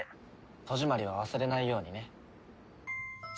戸締まりは忘れないようにね。